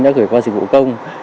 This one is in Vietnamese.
đã gửi qua dịch vụ công